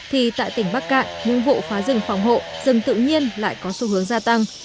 thì tại tỉnh bắc cạn những vụ phá rừng phòng hộ rừng tự nhiên lại có xu hướng gia tăng